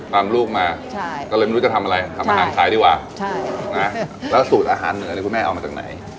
ลูกมาก็เลยไม่รู้จะทำอะไรทำอาหารขายดีกว่าแล้วสูตรอาหารเหนือนี่คุณแม่เอามาจากไหน